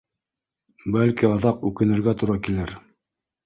Бәлки, аҙаҡ үкенергә тура килер